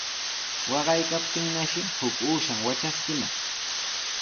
Waqaykaptinnashi huk uushan watraskinaq.